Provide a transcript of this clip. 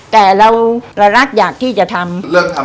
แต่ว่าเรารักอยากที่จะทำ